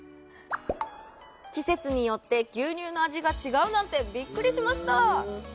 季節によって牛乳の味が違うなんてびっくりしました。